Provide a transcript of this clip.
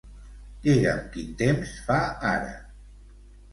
Digue'm quin temps fa ara.